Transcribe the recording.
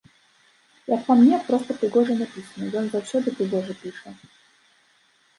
Як па мне, проста прыгожа напісана, ён заўсёды прыгожа піша.